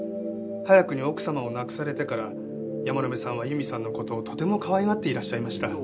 早くに奥様を亡くされてから山野辺さんは佑美さんの事をとてもかわいがっていらっしゃいました。